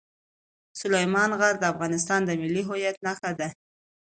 سلیمان غر د افغانستان د ملي هویت نښه ده.